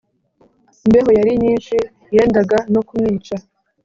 imbeho yari nyinshi; yendaga no kumwica.